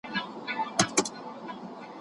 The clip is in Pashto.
یادښتونه به شریک کړای سي.